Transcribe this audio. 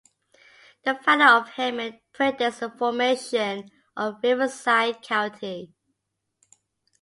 The founding of Hemet predates the formation of Riverside County.